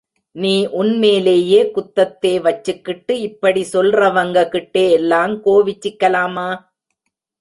நீ உன் மேலேயே குத்தத்தே வச்சிக்கிட்டு இப்படி சொல்றவங்க கிட்டே எல்லாங் கோவிச்சிக்கலாமா?